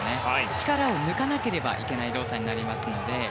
力を抜かなければいけない動作になりますので。